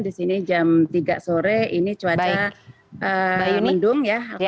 di sini jam tiga sore ini cuaca mendung